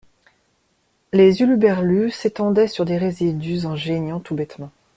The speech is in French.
Les hurluberlues s'étendaient sur des résidus en geignant tout bêtement.